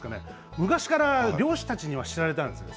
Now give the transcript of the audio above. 昔から漁師たちには知られていたんです。